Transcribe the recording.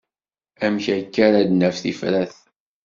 Amek akka ara d-naf tifrat?